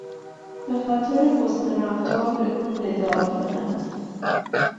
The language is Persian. به خاطر حسن رفتار به او مدال دادند.